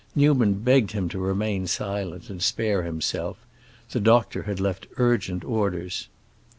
Newman begged him to remain silent and spare himself; the doctor had left urgent orders.